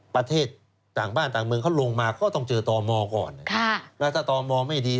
ประเทศต่างบ้านต่างเมืองเขาลงมาก็ต้องเจอต่อมอก่อนถ้าตมไม่ดี